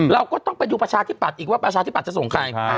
เราก็ต้องไปดูประชาธิปัตย์อีกว่าประชาธิบัตย์จะส่งใคร